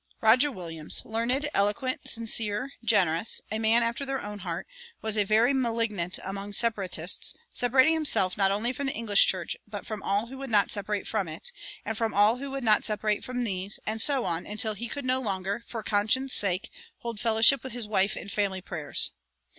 [100:1] Roger Williams, learned, eloquent, sincere, generous, a man after their own heart, was a very malignant among Separatists, separating himself not only from the English church, but from all who would not separate from it, and from all who would not separate from these, and so on, until he could no longer, for conscience' sake, hold fellowship with his wife in family prayers.